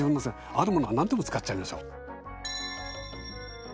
あるものは何でも使っちゃいましょう。